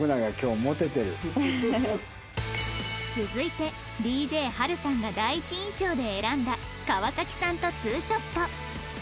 続いて ＤＪＨＡＬ さんが第一印象で選んだ川崎さんとツーショット